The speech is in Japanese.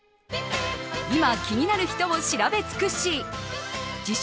今、気になる人を調べ尽くし自称